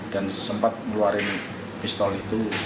dan sempat meluarin pistol itu